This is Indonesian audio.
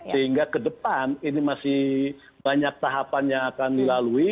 sehingga ke depan ini masih banyak tahapan yang akan dilalui